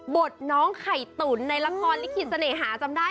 น้องไข่ตุ๋นในละครลิขิตเสน่หาจำได้